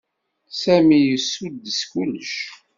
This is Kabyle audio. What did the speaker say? Sami yessuddes kullec.